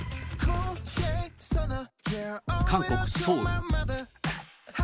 韓国・ソウル。